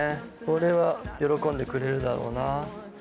これは喜んでくれるだろうな。